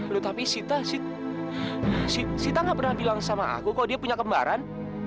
loh tapi sita sita sita gak pernah bilang sama aku kok dia punya kembaran